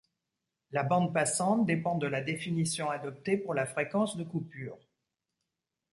La bande passante dépend de la définition adoptée pour la fréquence de coupure.